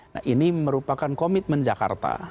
nah ini merupakan komitmen jakarta